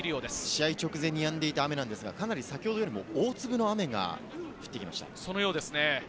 試合直前にやんでいた雨なんですが、先ほどより大粒の雨が降ってきました。